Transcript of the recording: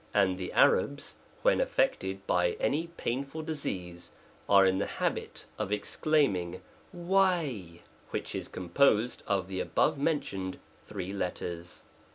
And the Arabs, when affiected by any painful disease, are in the habit of exclaiming tffj; which is composed of the above mentioned three letters.